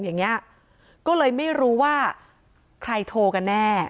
อย่างนี้ก็เลยไม่รู้ว่าใครโทรกันแน่